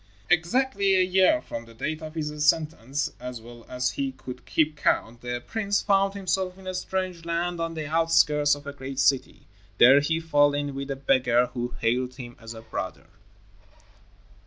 Exactly a year from the date of his sentence, as well as he could keep count, the prince found himself in a strange land on the outskirts of a great city. There he fell in with a beggar who hailed him as a brother.